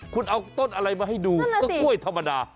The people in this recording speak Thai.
คุณเอาต้นอะไรมาให้ดูก็กล้วยธรรมดา